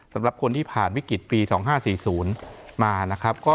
สำหรับคนที่ผ่านวิกฤตปี๒๕๔๐มานะครับ